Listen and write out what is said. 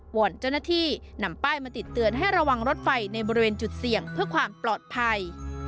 อนเจ้าหน้าที่นำป้ายมาติดเตือนให้ระวังรถไฟในบริเวณจุดเสี่ยงเพื่อความปลอดภัย